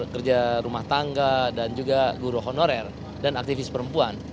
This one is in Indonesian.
kerja rumah tangga dan juga guru honorer dan aktivis perempuan